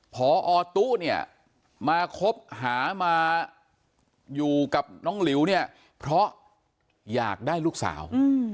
พอตู้เนี่ยมาคบหามาอยู่กับน้องหลิวเนี่ยเพราะอยากได้ลูกสาว